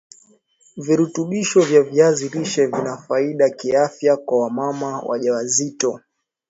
Virutubisho vya viazi lishe vina faida kiafya kwa wamama wajawazito